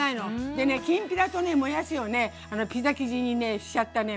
でねきんぴらとねもやしをねピザ生地にねしちゃったね